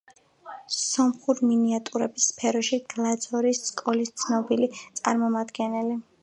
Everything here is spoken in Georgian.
სომხური მინიატურების სფეროში გლაძორის სკოლის ცნობილი წარმომადგენელი.